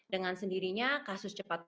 dengan sendirinya kasus cepat